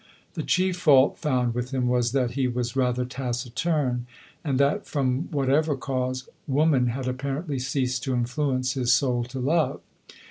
The chief fault found with him was, that he was rather taciturn, and that, from whatever cause, woman had apparently ceased to influence his soul to love.